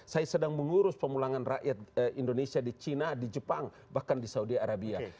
saya sedang mengurus pemulangan rakyat indonesia di china di jepang bahkan di saudi arabia